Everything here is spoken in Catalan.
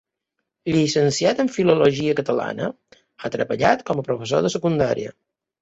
Llicenciat en Filologia Catalana, ha treballat com a professor de secundària.